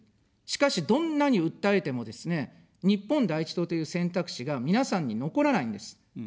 しかし、どんなに訴えてもですね、日本第一党という選択肢が皆さんに残らないんです。